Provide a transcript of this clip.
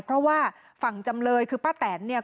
เพราะว่าฝั่งจำเลยคือป้าแตนเนี่ย